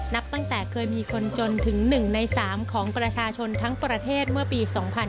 นับตั้งแต่เคยมีคนจนถึง๑ใน๓ของประชาชนทั้งประเทศเมื่อปี๒๕๕๙